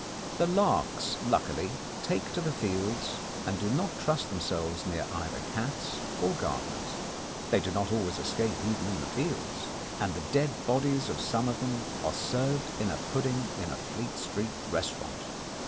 The larks luckily take to the fields and do not trust themselves near either cats or gardeners. They do not always escape even in the fields, and the dead bodies of some of them are served in a pudding in a Fleet Street restaurant.